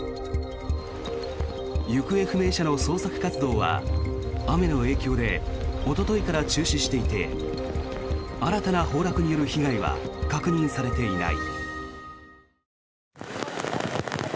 行方不明者の捜索活動は雨の影響でおとといから中止していて新たな崩落による被害は確認されていない。